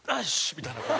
みたいな。